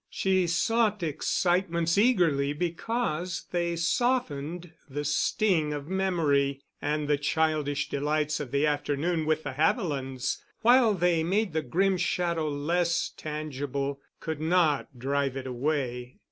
She sought excitements eagerly because they softened the sting of memory, and the childish delights of the afternoon with the Havilands, while they made the grim shadow less tangible, could not drive it away.